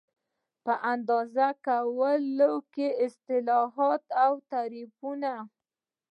په اندازه کولو کې اصطلاحات او تعریفونه